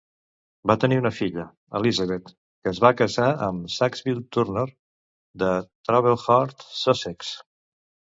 Va tenir una filla, Elizabeth, que es va casar amb Sackville Turnor de Tablehurt, Sussex.